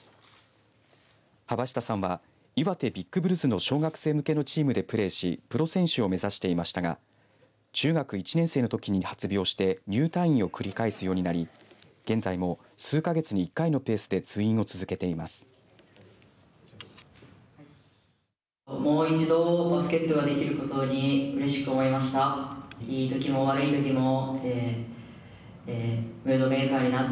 幅下さんは岩手ビッグブルズの小学生向けのチームでプレーしプロ選手を目指していましたが中学１年生のときに発病して入退院を繰り返すようになり現在も数か月に１回のペースで通院を続けています。